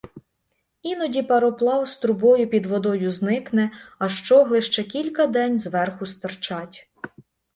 Іноді пароплав з трубою під водою зникне, а щогли ще кілька день зверху стирчать.